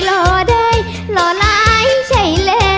โปรดติดตามต่อไป